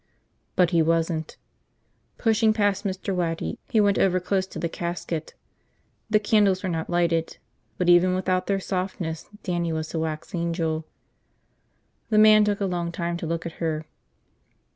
But he wasn't. Pushing past Mr. Waddy, he went over close to the casket. The candles were not lighted but even without their softness Dannie was a wax angel. The man took a long time to look at her.